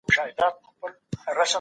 لامبو د مفصلونو فشار نه زیاتوي.